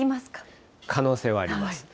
可能性はあります。